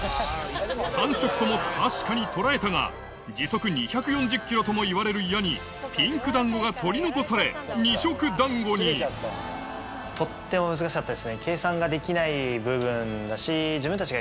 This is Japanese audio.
３色とも確かに捉えたが時速２４０キロともいわれる矢にピンク団子が取り残され２色団子に計算ができない部分だし自分たちが。